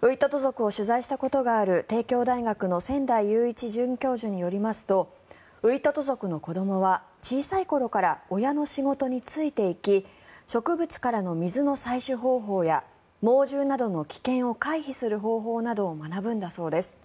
ウイトト族を取材したことがある帝京大学の千代勇一准教授によりますとウイトト族の子どもは小さい頃から親の仕事についていき植物からの水の採取方法や猛獣などの危険を回避する方法などを学ぶんだそうです。